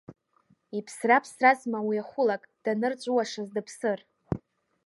Иԥсра ԥсразма уи ахәылак, данырҵәуашаз дыԥсыр!